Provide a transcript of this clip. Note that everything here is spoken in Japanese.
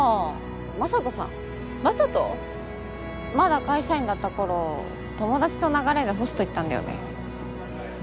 まだ会社員だった頃友達と流れでホスト行ったんだよね。